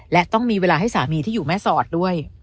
และต้องมีเวลาให้สามีที่อยู่แม่สอดด้วย